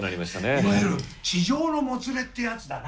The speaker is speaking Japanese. いわゆる痴情のもつれってやつだな。